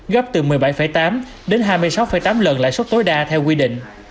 gấp từ một mươi bảy tám đến hai mươi sáu tám lần lãi suất tối đa theo quy định